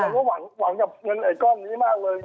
ว่าหวังกับเงินไอ้กล้องนี้มากเลย